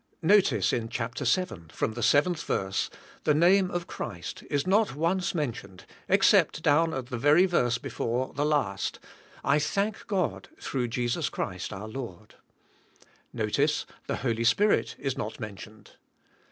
Notice in chapter seven, from the seventh verse, the name of Christ is not once mentioned except down at the very verse before the last, "I thank God through Jesus Christ our Lord." No 178 THE SPIRITUAL LIFE. tice, the Holy Spirit is not mentioned.